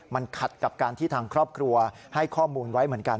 มันขัดกับการที่ทางครอบครัวให้ข้อมูลไว้เหมือนกัน